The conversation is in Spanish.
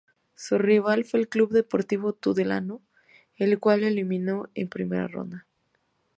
Su rival fue el Club Deportivo Tudelano, el cual lo eliminó en primera ronda.